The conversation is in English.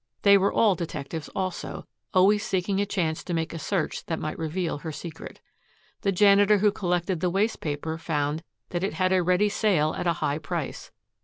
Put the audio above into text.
They were all detectives, also, always seeking a chance to make a search that might reveal her secret. The janitor who collected the waste paper found that it had a ready sale at a high price.